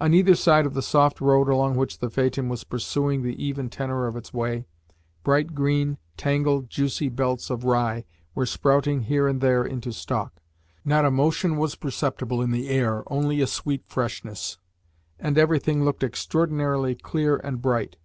On either side of the soft road along which the phaeton was pursuing the even tenour of its way, bright green, tangled, juicy belts of rye were sprouting here and there into stalk. Not a motion was perceptible in the air, only a sweet freshness, and everything looked extraordinarily clear and bright.